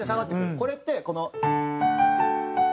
これってこの。